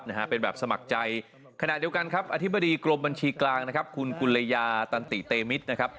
ถ้าใครไม่ชอบก็ใช้แนวทางเดิมได้นะฮะไปฟังเสียงทางนายกรัฐมนตรีกันครับ